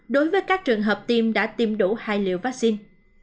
đối với các trường hợp tiêm đã tiêm đủ hai liều vaccine